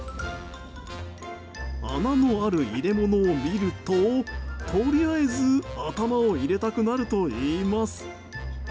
穴のある入れ物を見るととりあえず頭を入れたくなるといいます。